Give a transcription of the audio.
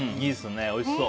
おいしそう。